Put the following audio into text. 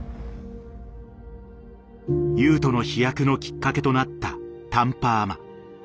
雄斗の飛躍のきっかけとなったタンパアマ。